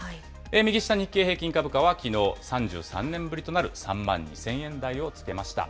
右下、日経平均株価はきのう、３３年ぶりとなる３万２０００円台をつけました。